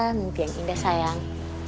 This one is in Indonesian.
nanti yang indah sayang